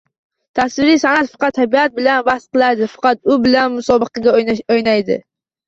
Tasviriy san’at faqat tabiat bilan bahs qiladi, faqat u bilan musobaqa o’ynaydi.